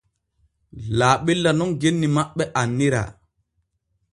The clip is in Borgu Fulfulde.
Laaɓella nun genni maɓɓe annira.